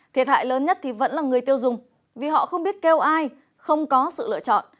thiệt hại lớn nhất vẫn là người tiêu dùng vì họ không biết kêu ai không có sự lựa chọn